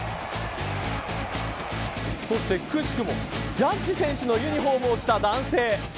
そしてくしくも、ジャッジ選手のユニホームを着た男性。